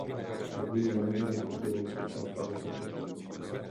Novým manažerem skupiny se stal Pavel Kratochvíl.